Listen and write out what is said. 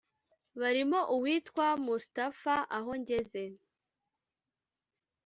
barimo uwitwa Mustafa Ahongeze